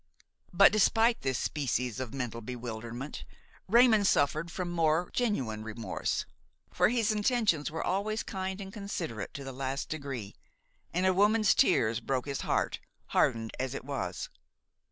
But, despite this species of mental bewilderment, Raymon suffered from more genuine remorse; for his intentions were always kind and considerate to the last degree, and a woman's tears broke his heart, hardened as it was.